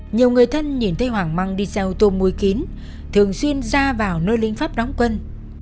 nhiều người thân nhìn thấy hoàng măng đi xe ô tô muối kín thường xuyên ra vào nơi lính pháp đóng quân